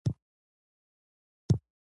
د تجزیې او تحلیل لپاره ښه دی.